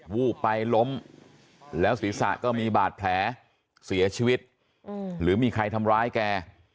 วูบไปล้มแล้วศีรษะก็มีบาดแผลเสียชีวิตหรือมีใครทำร้ายแก